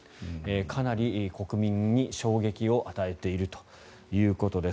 かなり国民に衝撃を与えているということです。